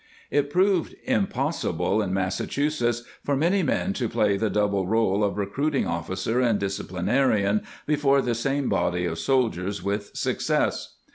It proved impossible in Massachu setts for many men to play the double rdle of recruiting officer and disciplinarian before the same body of soldiers with success.